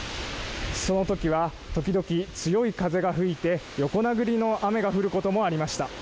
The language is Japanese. そのときは、時々、強い風が吹いて横殴りの雨が降ることもありました。